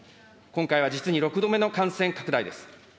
今回は実に６度目の感染拡大です。